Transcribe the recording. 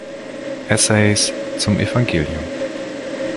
Essays zum Evangelium“.